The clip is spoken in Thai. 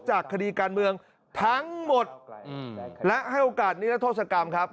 จากคดีการเมืองทั้งหมดและให้โอกาสนิรัทธศกรรมครับ